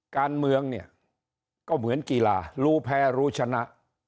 การเมืองเนี่ยก็เหมือนกีฬารู้แพ้รู้ชนะ